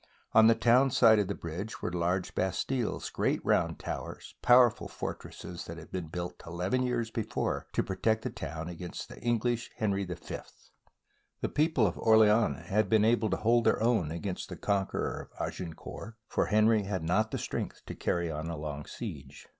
On the town side of the bridge were large bastilles, great round towers, powerful for tresses that had been built eleven years before to protect the town against the English Henry V. The people of Orleans had been able to hold their town against the conqueror of Agincourt, for Henry had not the strength to carry on a long siege.